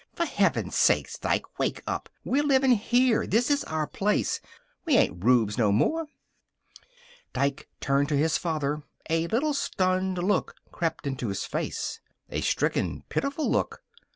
"F'r heaven's sakes, Dike, wake up! We're livin' here. This is our place. We ain't rubes no more." Dike turned to his father. A little stunned look crept into his face. A stricken, pitiful look.